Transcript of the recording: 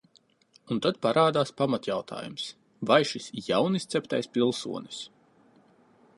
"Un tad parādās pamatjautājums: vai šis "jaunizceptais" pilsonis."